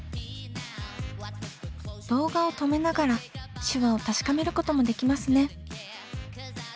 動画を止めながら手話を確かめることもできますね。